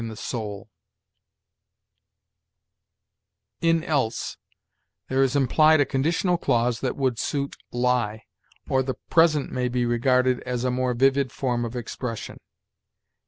"In 'else' there is implied a conditional clause that would suit 'lie'; or the present may be regarded as a more vivid form of expression.